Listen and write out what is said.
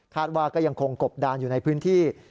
ว่าก็ยังคงกบดานอยู่ในพื้นที่